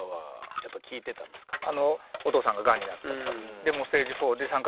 お父さんががんになっちゃったと。